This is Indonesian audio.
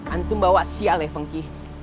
antum bawa siale ya fengki